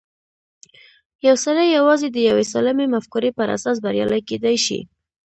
يو سړی يوازې د يوې سالمې مفکورې پر اساس بريالی کېدای شي.